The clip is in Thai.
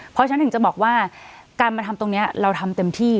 เพราะฉะนั้นถึงจะบอกว่าการมาทำตรงนี้เราทำเต็มที่